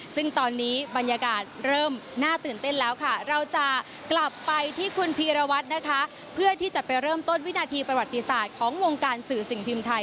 ซึ่งตอนนี้บรรยากาศเริ่มน่าตื่นเต้นแล้วค่ะเราจะกลับไปที่คุณพีรวัตรนะคะเพื่อที่จะไปเริ่มต้นวินาทีประวัติศาสตร์ของวงการสื่อสิ่งพิมพ์ไทย